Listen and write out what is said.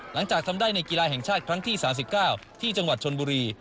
หลังจากทำได้ในกีฬาแห่งชาติครั้งที่๓๙ที่จังหวัดชนบุรี